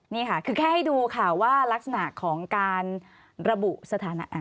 นี่ค่ะคือแค่ให้ดูค่ะว่ารักษณะของการระบุสถานะ